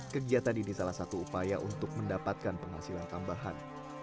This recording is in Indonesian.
kegiatan ini salah satu upaya untuk mendapatkan penghasilan tambahan